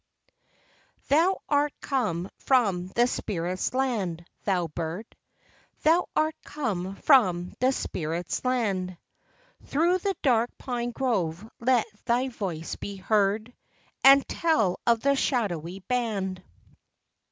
T'HOU art come from the spirits' land, thou bird ! Thou art come from the spirits' land ! Through the dark pine grove let thy voice be heard, And tell of the shadowy band